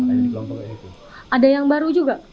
ada yang baru juga